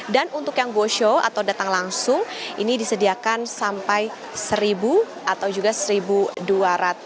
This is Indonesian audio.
dan untuk yang go show atau datang langsung ini disediakan sampai satu atau juga satu dua ratus